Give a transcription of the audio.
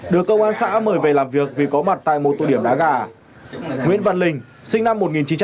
được công an xã mời về làm việc vì có mặt tại một tụ điểm đá gà nguyễn văn linh sinh năm một nghìn chín trăm tám mươi